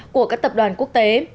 của các tập đoàn quốc tế